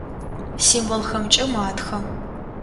Символхэмкӏэ матхэ.